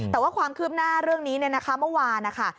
แต่ว่าความคืบหน้าเรื่องนี้เมื่อวานนะคะ